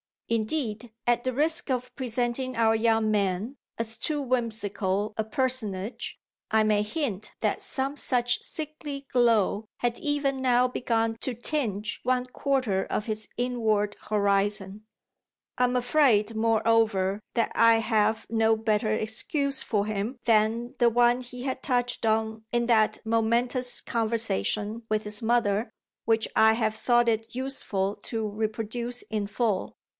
Indeed at the risk of presenting our young man as too whimsical a personage I may hint that some such sickly glow had even now begun to tinge one quarter of his inward horizon. I am afraid, moreover, that I have no better excuse for him than the one he had touched on in that momentous conversation with his mother which I have thought it useful to reproduce in full.